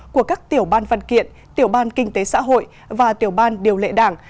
của các tiểu ban văn kiện tiểu ban kinh tế xã hội và tiểu ban điều lệ đảng